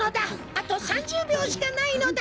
あと３０びょうしかないのだ！